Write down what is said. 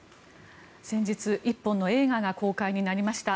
先日、１本の映画が公開になりました。